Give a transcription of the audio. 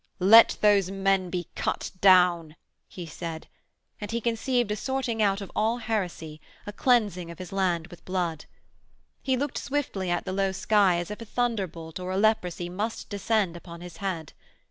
'Let those men be cut down,' he said, and he conceived a sorting out of all heresy, a cleansing of his land with blood. He looked swiftly at the low sky as if a thunderbolt or a leprosy must descend upon his head.